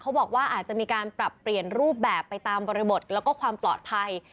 บอกว่าอาจจะมีการปรับเปลี่ยนรูปแบบไปตามบริบทแล้วก็ความปลอดภัย